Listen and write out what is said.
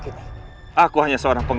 di sini mampu saja mungkin